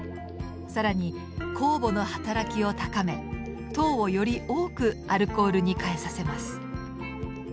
更にこうぼの働きを高め糖をより多くアルコールに変えさせます。